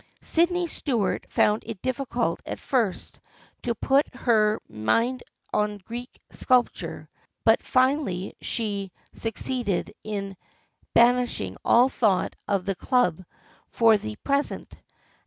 Sydney Stuart found it difficult at first to put her mind on Greek sculpture, but finally she suc ceeded in banishing all thought of the club for the present.